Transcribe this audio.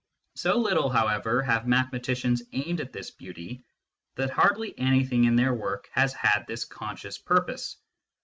So little, however, have mathematicians aimed at beauty, that hardly anything in their work has had this conscious purpose.